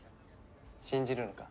信じるのか？